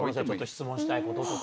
質問したいこととか。